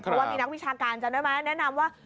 เพราะว่ามีนักวิชาการแนะนำว่า